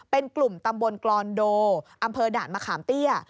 เป็นกลุ่มตำบลกรอนโดอำเภอด่านมะขามเตี้ย